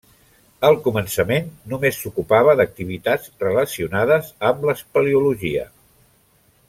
Al començament només s'ocupava d'activitats relacionades amb l'espeleologia.